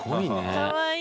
かわいい！